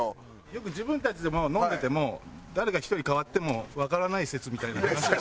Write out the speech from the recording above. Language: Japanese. よく自分たちでも飲んでても誰か１人代わってもわからない説みたいな話はしてた。